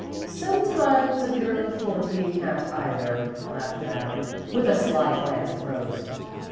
"Sometimes a girl of forty can't, either," laughed Madame, with a sly glance at Rose.